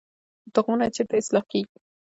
تخمونه چیرته اصلاح کیږي؟